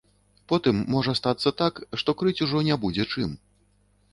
Потым можа стацца так, што крыць ужо не будзе чым.